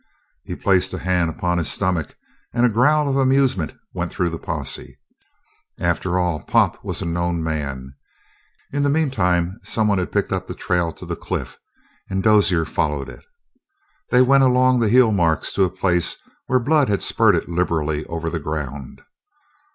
He placed a hand upon his stomach, and a growl of amusement went through the posse. After all, Pop was a known man. In the meantime someone had picked up the trail to the cliff, and Dozier followed it. They went along the heel marks to a place where blood had spurted liberally over the ground.